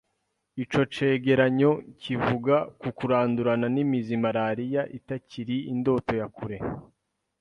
Ico cegeranyo kivuga ko kurandurana n'imizi malaria itakiri indoto ya kure,